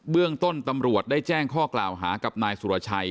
เรื่องต้นตำรวจได้แจ้งข้อกล่าวหากับนายสุรชัย